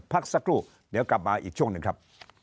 พักสักครู่เดี๋ยวกลับมาอีกช่วงหนึ่งครับ